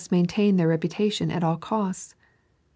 maintain their reputation at all costs.